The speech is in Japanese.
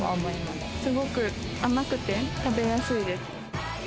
すごく甘くて食べやすいです。